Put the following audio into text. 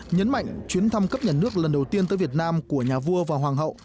nhấn mạnh chuyến thăm cấp nhà nước lần đầu tiên tới việt nam của nhà vua và hoàng hậu